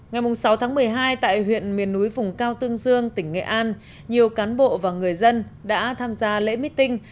ngày sáu tháng một mươi hai tại huyện miền núi vùng cao tương dương tỉnh nghệ an nhiều cán bộ và người dân đã tham gia lễ meeting